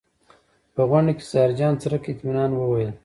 په غونډه کې ظاهرجان څرک اطمنان وویل.